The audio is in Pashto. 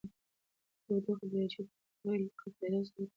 د تودوخې درجې د ناروغۍ خپرېدو سره تړاو لري.